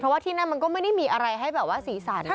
เพราะว่าที่นั้นมันก็ไม่ได้มีอะไรให้สีสัดนะ